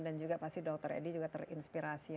dan juga pasti dokter edi juga terinspirasi